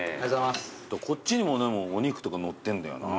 こっちにもでもお肉とか載ってんだよな。